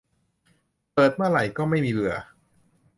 เปิดเมื่อไหร่ก็ไม่มีเบื่อ